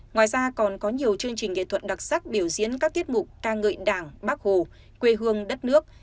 ngoài ra còn có nhiều chương trình nghệ thuật đặc sắc biểu diễn các tiết mục ca ngợi đảng bác hồ quê hương đất nước